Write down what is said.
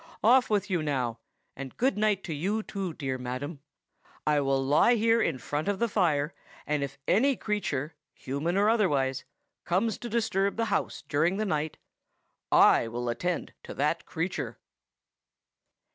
Off with you, now! And good night to you too, dear madam. I will lie here in front of the fire; and if any creature, human or otherwise, comes to disturb the house during the night, I will attend to that creature!"